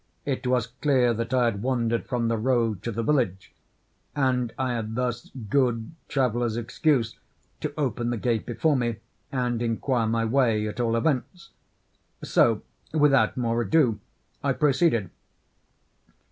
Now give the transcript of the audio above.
It was clear that I had wandered from the road to the village, and I had thus good traveller's excuse to open the gate before me, and inquire my way, at all events; so, without more ado, I proceeded.